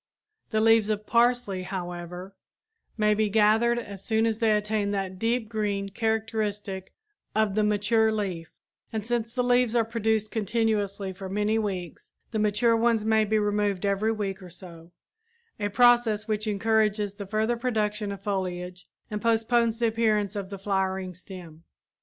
The leaves of parsley, however, may be gathered as soon as they attain that deep green characteristic of the mature leaf; and since the leaves are produced continuously for many weeks, the mature ones may be removed every week or so, a process which encourages the further production of foliage and postpones the appearance of the flowering stem.